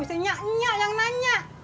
pusingnya enyak yang nanya